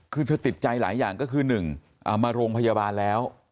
คือเธอติดใจหลายอย่างก็คือ๑มาโรงพยาบาลแล้ว